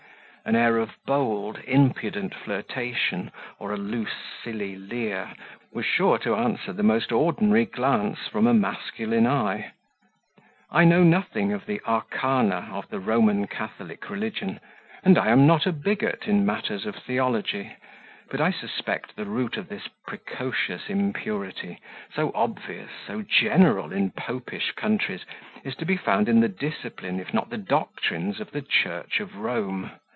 An air of bold, impudent flirtation, or a loose, silly leer, was sure to answer the most ordinary glance from a masculine eye. I know nothing of the arcana of the Roman Catholic religion, and I am not a bigot in matters of theology, but I suspect the root of this precocious impurity, so obvious, so general in Popish countries, is to be found in the discipline, if not the doctrines of the Church of Rome.